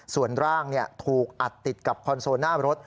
ส่วนร่างถูกอัดติดกับคอนโซลหน้ารถ